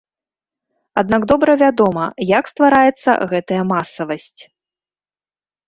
Аднак добра вядома як ствараецца гэтая масавасць.